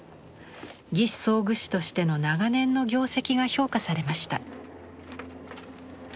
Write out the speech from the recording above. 義肢装具士としての長年の業績が評価されました。